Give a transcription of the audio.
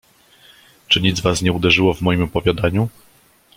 "Czy nic was nie uderzyło w moim opowiadaniu?"